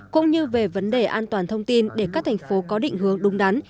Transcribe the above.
cũng như về vấn đề an toàn thông tin để các thành phố có định hướng đúng đắn